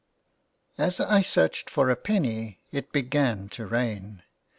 As I searched for a penny it began to rain.